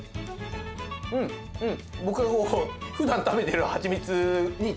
うんうん。